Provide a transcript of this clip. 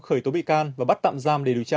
khởi tố bị can và bắt tạm giam để điều tra